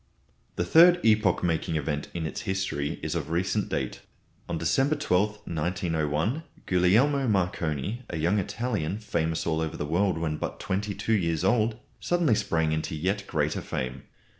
The third epoch making event in its history is of recent date. On December 12, 1901, Guglielmo Marconi, a young Italian, famous all over the world when but twenty two years old, suddenly sprang into yet greater fame.